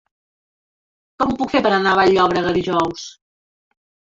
Com ho puc fer per anar a Vall-llobrega dijous?